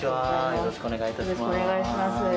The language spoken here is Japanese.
よろしくお願いします。